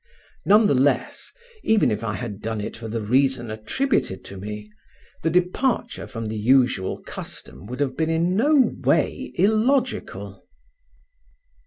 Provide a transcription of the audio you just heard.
'None the less, even if I had done it for the reason attributed to me, the departure from the usual custom would have been in no way illogical.